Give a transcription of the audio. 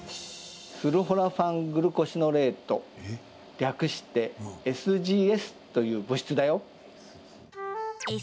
スルフォラファングルコシノレート略してＳＧＳという物質だよ。